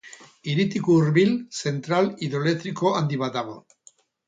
Hiritik hurbil zentral hidroelektriko handi bat dago.